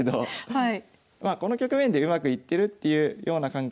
はい。